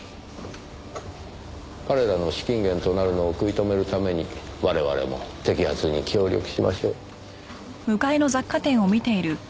彼らの資金源となるのを食い止めるために我々も摘発に協力しましょう。